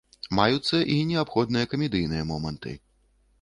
Маюцца і неабходныя камедыйныя моманты.